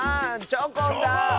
チョコン。